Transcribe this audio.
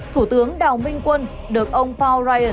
thủ tướng đào minh quân đã được tổng thống bill clinton